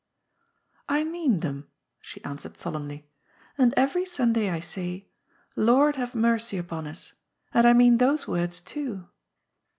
"I mean them," she answered solemnly. And every Sunday I say :* Lord, have mercy upon us,' and I mean those words too."